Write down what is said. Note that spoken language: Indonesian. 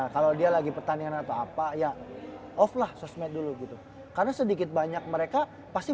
kalau dia lagi pertanian atau apa ya off lah sosmed dulu gitu karena sedikit banyak mereka pasti